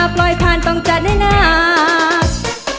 ผ่านต้องจัดให้นัก